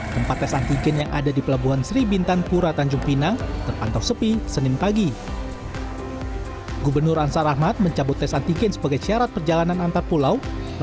kepulauan riau ansar ahmad resmi mencabut tes antigen sebagai syarat perjalanan antar pulau